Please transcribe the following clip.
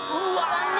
残念。